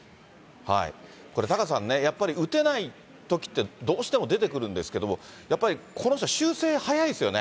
これタカさんね、やっぱり打てないときって、どうしても出てくるんですけども、やっぱりこの人は修正早いですよね。